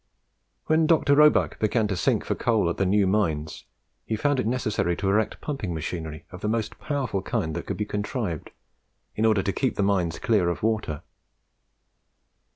When Dr. Roebuck began to sink for coal at the new mines, he found it necessary to erect pumping machinery of the most powerful kind that could be contrived, in order to keep the mines clear of water.